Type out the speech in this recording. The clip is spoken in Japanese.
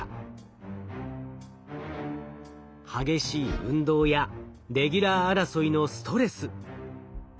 激しい運動やレギュラー争いのストレス。